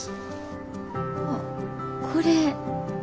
あっこれ。